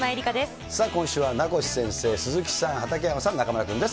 今週は名越先生、鈴木さん、畠山さん、中丸君です。